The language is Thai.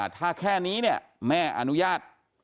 ถ้าแค่นี้เนี่ยแม่อนุญาต